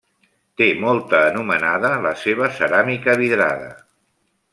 Té molta anomenada la seva ceràmica vidrada.